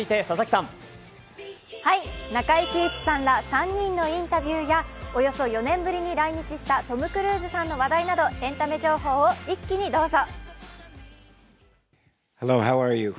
中井貴一さんら３人のインタビューやおよそ４年ぶりに来日したトム・クルーズさんの情報などエンタメ情報を一気にどうぞ。